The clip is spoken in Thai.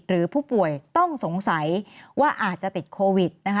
หรือผู้ป่วยต้องสงสัยว่าอาจจะติดโควิดนะคะ